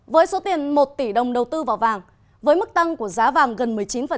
với số tiền một tỷ đồng đầu tư vào vàng với mức tăng của giá vàng gần một mươi chín